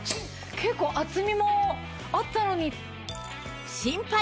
結構厚みもあったのに。